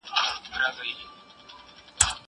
کېدای سي ليک اوږد وي!